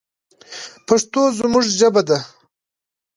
پښتو زموږ ژبه ده